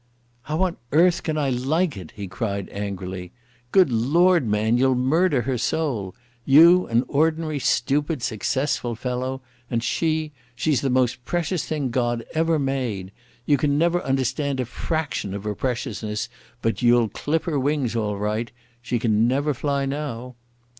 "How on earth can I like it?" he cried angrily. "Good Lord, man, you'll murder her soul. You an ordinary, stupid, successful fellow and she—she's the most precious thing God ever made. You can never understand a fraction of her preciousness, but you'll clip her wings all right. She can never fly now...."